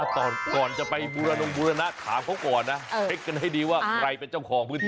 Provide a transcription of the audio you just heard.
ก่อนจะไปบูรณงบูรณะถามเขาก่อนนะเช็คกันให้ดีว่าใครเป็นเจ้าของพื้นที่